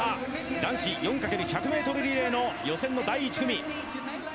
男子４×１００メートルリレーの予選の第１組。